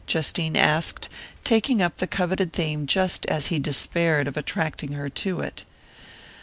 Justine asked, taking up the coveted theme just as he despaired of attracting her to it.